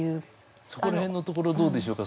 そこら辺のところどうでしょうか。